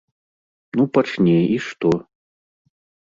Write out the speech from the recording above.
Ну пачне і што?!